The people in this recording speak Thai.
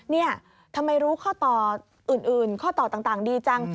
นี่ทำไมรู้ข้อต่ออื่นข้อต่อต่างดีจัง